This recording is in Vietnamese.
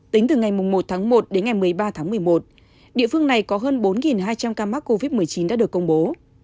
tính từ ngày một tháng một đến ngày một mươi ba tháng một mươi một địa phương này có hơn bốn hai trăm linh ca mắc covid một mươi chín đã được công bố